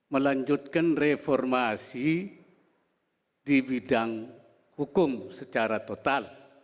melanjutkan reformasi di bidang hukum secara total